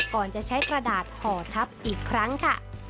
ก่อนจะใช้กระดาษห่อทับอีกครั้งค่ะ